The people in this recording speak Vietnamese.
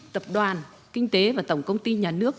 tập đoàn kinh tế và tổng công ty nhà nước